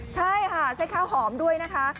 ใช่ค่ะใช้ข้าวหอมด้วยนะคะ